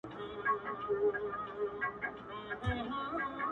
• د خوشحال غزل غزل مي دُر دانه دی..